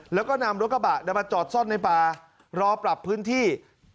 แล้วก็นำรถกระบะมาจอดซ่อนในป่ารอปรับพื้นที่